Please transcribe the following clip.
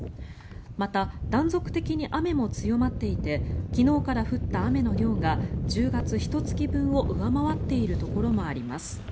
また、断続的に雨も強まっていて昨日から降った雨の量が１０月ひと月分を上回っているところもあります。